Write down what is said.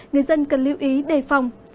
người dân cần lưu ý đề phòng